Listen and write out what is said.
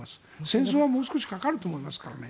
戦争は、もう少しかかると思いますからね。